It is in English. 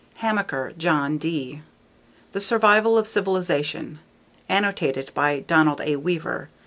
Hamaker, John. D. _The Survival of Civilization. _Annotated by Donald A. Weaver.